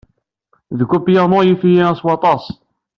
Deg upyanu, yif-iyi s waṭas.